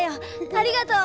ありがとう。